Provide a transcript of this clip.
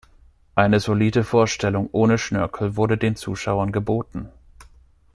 Eine solide Vorstellung ohne Schnörkel wurde den Zuschauern geboten.